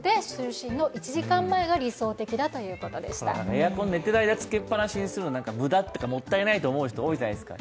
エアコン、寝ている間つけっぱなしにしているの無駄というか、もったいないと思う人、多いじゃないですか。